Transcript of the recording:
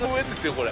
これ。